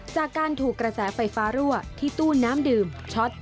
จากการถูกกระแสไฟฟ้ารั่วที่ตู้น้ำดื่มช็อต